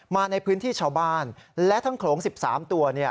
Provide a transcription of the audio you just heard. มาในพื้นที่ชาวบ้านและทั้งโขลง๑๓ตัว